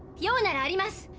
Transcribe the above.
用ならあります！